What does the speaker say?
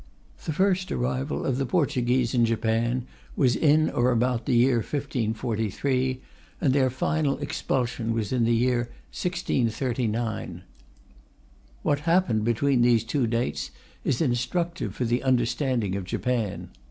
The first arrival of the Portuguese in Japan was in or about the year 1543, and their final expulsion was in the year 1639. What happened between these two dates is instructive for the understanding of Japan.